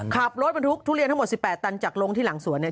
ขับรถบรรทุกทุเรียนทั้งหมด๑๘ตันจากลงที่หลังสวนเนี่ย